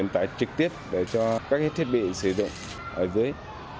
tải trực tiếp để cho các thiết bị sử dụng ở dưới